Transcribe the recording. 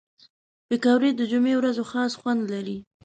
پکورې د جمعې ورځو خاص خوند لري